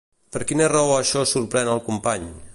Per quina raó això sorprèn el company?